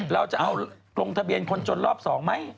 เราจะเอาลงทะเบียนคนจนรอบ๒ไหม